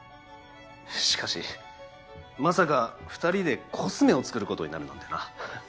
しかしまさか二人でコスメを作ることになるなんてな。